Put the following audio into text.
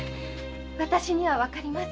わたしにはわかります。